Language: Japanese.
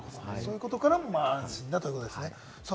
そういうことからも安心だということですね。